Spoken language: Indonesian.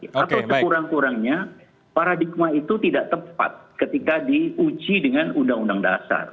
atau sekurang kurangnya paradigma itu tidak tepat ketika diuji dengan undang undang dasar